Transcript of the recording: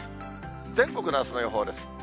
全国のあすの予報です。